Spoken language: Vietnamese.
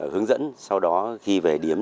hướng dẫn sau đó khi về điếm